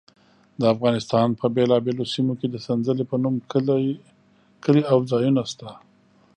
د افغانستان په بېلابېلو سیمو کې د سنځلې په نوم کلي او ځایونه شته.